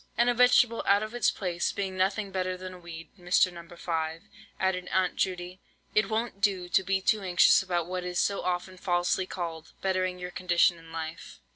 "And a vegetable out of its place being nothing better than a weed, Mr. No. 5," added Aunt Judy, "it won't do to be too anxious about what is so often falsely called, bettering your condition in life.